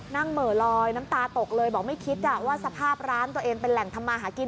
เหม่อลอยน้ำตาตกเลยบอกไม่คิดว่าสภาพร้านตัวเองเป็นแหล่งทำมาหากิน